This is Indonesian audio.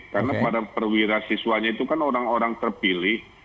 karena para perwira siswanya itu kan orang orang terpilih